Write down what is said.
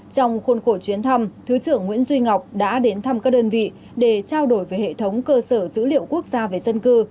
trong khuôn khổ chuyến thăm thứ trưởng nguyễn duy ngọc đã đến thăm các đơn vị để trao đổi về hệ thống cơ sở dữ liệu quốc gia về dân cư